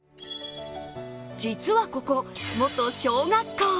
実はここ、元小学校。